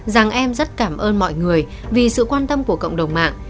rằng em rất cảm ơn mọi người vì sự quan tâm của cộng đồng mạng